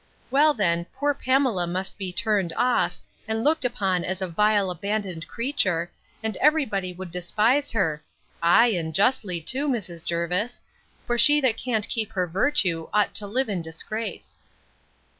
Well, then, poor Pamela must be turned off, and looked upon as a vile abandoned creature, and every body would despise her; ay, and justly too, Mrs. Jervis; for she that can't keep her virtue, ought to live in disgrace.